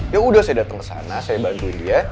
ya udah saya datang ke sana saya bantu dia